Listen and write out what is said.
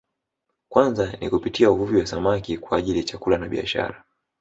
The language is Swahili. Kwanza ni kupitia uvuvi wa samaki kwa ajili ya chakula na biashara